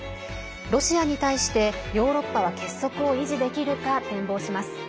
ロシアに対してヨーロッパは結束を維持できるか展望します。